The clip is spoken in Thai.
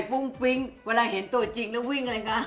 ฟุ้งฟิ้งเวลาเห็นตัวจริงแล้ววิ่งอะไรคะ